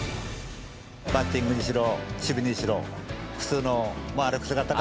バッティングにしろ守備にしろ普通の歩く姿からね